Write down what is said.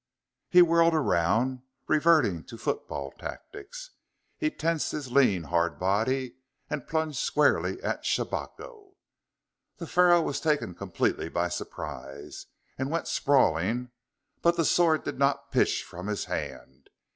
He whirled around. Reverting to football tactics, he tensed his lean, hard body and plunged squarely at Shabako. The Pharaoh was taken completely by surprise, and went sprawling; but the sword did not pitch from his hand.